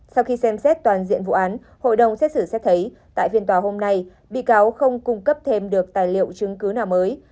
sau khi xem xét toàn diện vụ án hội đồng xét xử xét thấy tại phiên tòa hôm nay bị cáo không cung cấp thêm được tài liệu chứng cứ nào mới